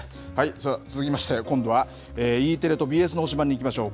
さあ、続きまして、今度はＥテレとＢＳの推しバン！にいきましょう。